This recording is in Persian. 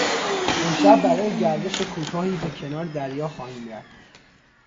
امشب برای گردش کوتاهی به کنار دریا خواهیم رفت.